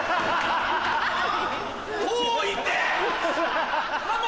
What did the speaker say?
遠いて！